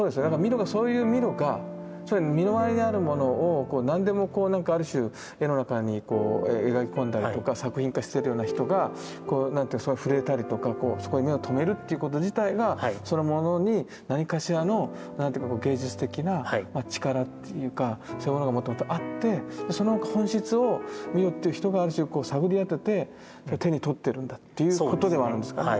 だからそういうミロが身の回りにあるものを何でもなんかある種絵の中に描き込んだりとか作品化してるような人が触れたりとかそこに目を留めるっていうこと自体がそのものに何かしらの何ていうか芸術的な力というかそういうものがもともとあってその本質をミロっていう人がある種こう探り当てて手に取ってるんだっていうことではあるんですかね。